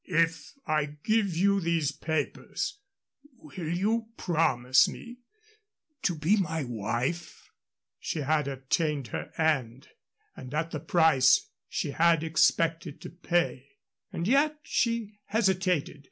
"If I give you these papers, will you promise me to be my wife?" She had attained her end and at the price she had expected to pay. And yet she hesitated.